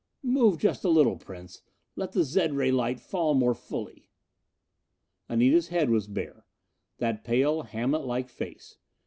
"Move just a little Prince. Let the zed ray light fall more fully." Anita's head was bare. That pale, Hamletlike face.